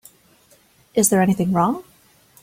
Is there anything wrong?